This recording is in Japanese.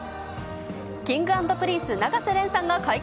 Ｋｉｎｇ＆Ｐｒｉｎｃｅ・永瀬廉さんが解決。